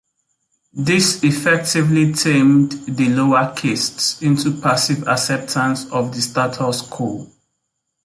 This effectively "tamed" the lower castes into passive acceptance of the status quo.